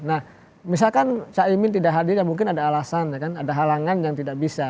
nah misalkan caimin tidak hadir ya mungkin ada alasan ya kan ada halangan yang tidak bisa